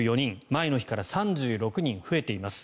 前の日から３６人増えています。